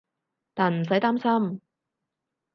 但唔使擔心